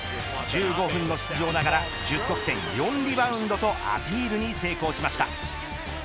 １５分の出場ながら１０得点４リバウンドとアピールに成功しました。